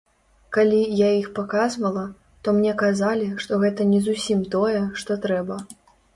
Калі я іх паказвала, то мне казалі, што гэта не зусім тое, што трэба.